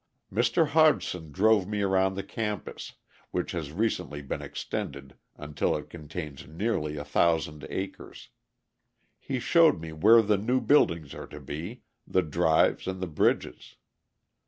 Mr. Hodgson drove me around the campus, which has recently been extended until it contains nearly 1,000 acres. He showed me where the new buildings are to be, the drives and the bridges.